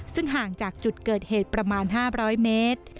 ซึ่งห่างจากจุดเกิดเหตุประมาณ๕๐๐เมตร